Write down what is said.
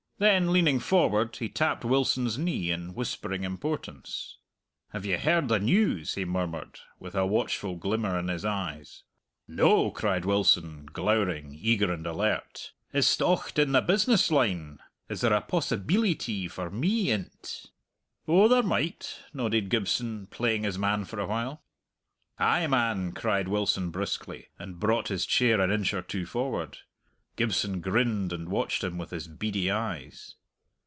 Then, leaning forward, he tapped Wilson's knee in whispering importance. "Have you heard the news?" he murmured, with a watchful glimmer in his eyes. "No!" cried Wilson, glowering, eager and alert. "Is't ocht in the business line? Is there a possibeelity for me in't?" "Oh, there might," nodded Gibson, playing his man for a while. "Ay, man!" cried Wilson briskly, and brought his chair an inch or two forward. Gibson grinned and watched him with his beady eyes.